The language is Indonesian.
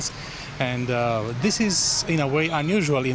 dan ini secara tidak biasa di kultur lain